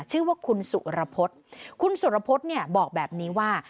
ชื่อว่าคุณสุรพฤษคุณสุรพฤษเนี่ยบอกแบบนี้ว่า